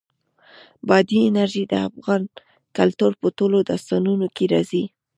بادي انرژي د افغان کلتور په ټولو داستانونو کې راځي.